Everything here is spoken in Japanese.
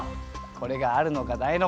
これがあるのかないのか！